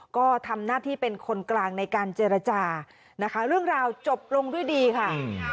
ก็ทำหน้าที่เป็นคนกลางในการเจรจานะคะเรื่องราวจบลงด้วยดีค่ะ